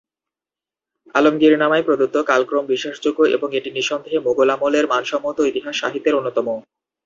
আলমগীরনামায় প্রদত্ত কালক্রম বিশ্বাসযোগ্য এবং এটি নিঃসন্দেহে মুগল আমলের মানসম্মত ইতিহাস সাহিত্যের অন্যতম।